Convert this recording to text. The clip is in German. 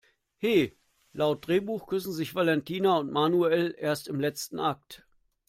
He, laut Drehbuch küssen sich Valentina und Manuel erst im letzten Akt!